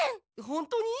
ほんとに？